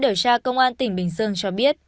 điều tra công an tỉnh bình dương cho biết